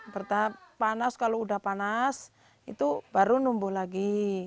bertahap panas kalau udah panas itu baru numbuh lagi